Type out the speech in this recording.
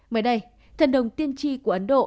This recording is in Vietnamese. mới đây thần đồng tiên tri của ấn độ